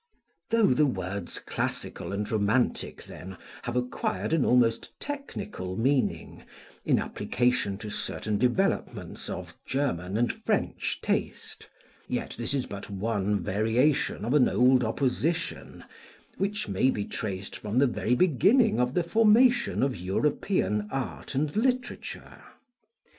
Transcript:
Though the words classical and romantic, then, have acquired an almost technical meaning, in application to certain developments of German and French taste, yet this is but one variation of an old opposition, which may be traced from the very beginning of the formation of European art and literature.